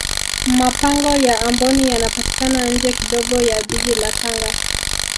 mapango ya amboni yanapatikana nje kidogo ya jiji la tanga